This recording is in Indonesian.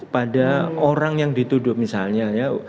pada orang yang dituduh misalnya ya